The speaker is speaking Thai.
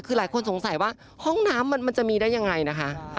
คือหลายคนสงสัยว่าห้องน้ำมันจะมีได้ยังไงนะคะ